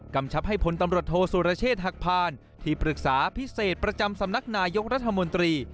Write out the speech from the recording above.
ชับให้พลตำรวจโทษสุรเชษฐหักพานที่ปรึกษาพิเศษประจำสำนักนายกรัฐมนตรี